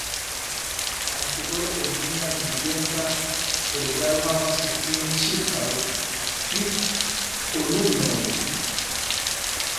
Artikolo en Nia diligenta kolegaro havas kutime ĉirkaŭ tri kolumnojn.